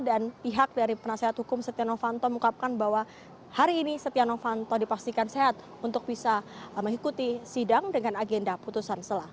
dan pihak dari penasehat hukum setia novanto mengungkapkan bahwa hari ini setia novanto dipastikan sehat untuk bisa mengikuti sidang dengan agenda putusan setelah